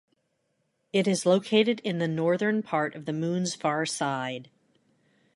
It is located in the northern part of the Moon's far side.